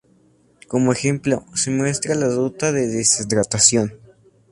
Como ejemplo, se muestra la ruta de deshidratación.